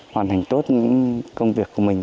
hoàn thành tốt những công việc của mình